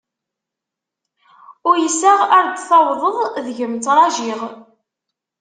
Uyseɣ ar d-tawḍeḍ, deg-m ttrajiɣ.